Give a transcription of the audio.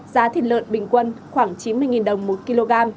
giá thịt lợn bình quân khoảng chín mươi đồng một kg